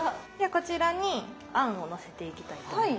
こちらに餡をのせていきたいと思います。